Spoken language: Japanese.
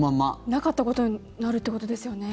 なかったことになるっていうことですよね。